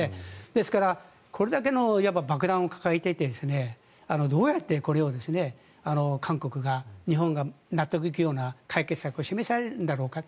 ですからこれだけの爆弾を抱えていてどうやってこれを韓国が日本が納得いくような解決策が示されるんだろうか。